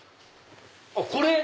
あっこれ？